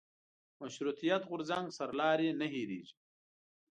مشروطیت غورځنګ سرلاري نه هېرېږي.